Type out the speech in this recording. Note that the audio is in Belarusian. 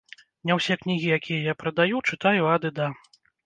Не ўсе кнігі, якія я прадаю, чытаю ад і да.